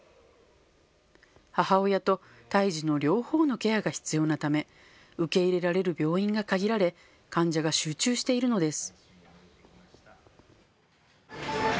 母親と胎児の両方のケアが必要なため受け入れられる病院が限られ患者が集中しているのです。